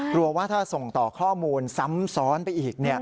ว่าถ้าส่งต่อข้อมูลซ้ำซ้อนไปอีก